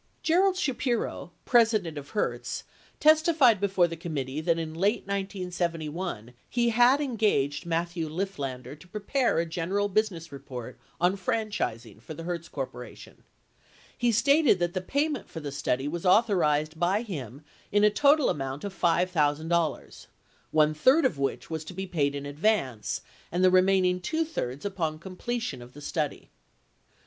84 Gerald Shapiro, president of Hertz, testified before the committee that in late 1971 he had engaged Matthew Lifflander to prepare a gen eral business report on franchising for the Hertz Corp. He stated that the payment for the study was authorized by him in a total amount of $5,000 — one third of which was to be paid in advance, and the re maining two thirds upon completion of the study.